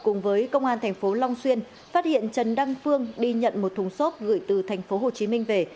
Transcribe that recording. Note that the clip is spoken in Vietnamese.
cùng với công an tp long xuyên phát hiện trần đăng phương đi nhận một thùng xốp gửi từ tp hồ chí minh về